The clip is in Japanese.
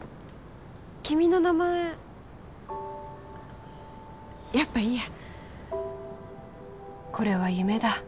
君の名前やっぱいいやこれは夢だ